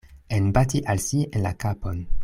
Enbati al si en la kapon.